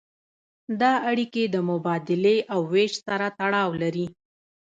دا اړیکې د مبادلې او ویش سره تړاو لري.